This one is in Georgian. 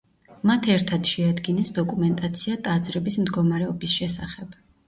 მათ ერთად შეადგინეს დოკუმენტაცია ტაძრების მდგომარეობის შესახებ.